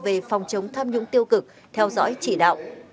về phòng chống tham nhũng tiêu cực theo dõi chỉ đạo